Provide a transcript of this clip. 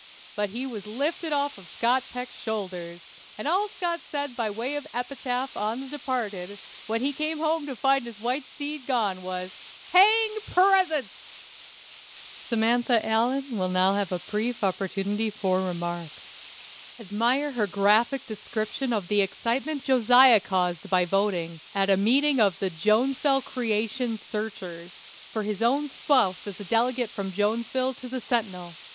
But he was lifted off Scott Peck's shoulders, and all Scott said by way of epitaph on the departed, when he came home to find his white steed gone, was, "Hang presents!" "Samantha Allen" will now have "a brief opportunity for remark." Admire her graphic description of the excitement Josiah caused by voting, at a meeting of the "Jonesville Creation Searchers," for his own spouse as a delegate from Jonesville to the "Sentinel."